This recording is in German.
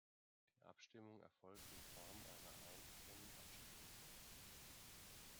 Die Abstimmung erfolgt in Form einer einzigen Abstimmung.